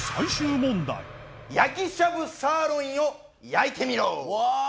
焼きしゃぶサーロインを焼いてみろ！